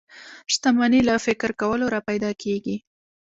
شتمني له فکر کولو را پيدا کېږي.